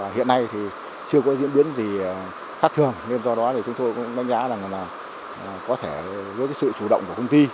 hiện nay thì chưa có diễn biến gì khác thường nên do đó thì chúng tôi cũng đánh giá là có thể với sự chủ động của công ty